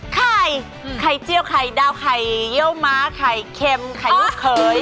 ไข่ไข่เจียวไข่ดาวไข่เยี่ยวม้าไข่เค็มไข่ลูกเขย